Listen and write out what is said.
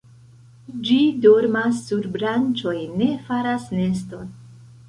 Ĝi dormas sur branĉoj, ne faras neston.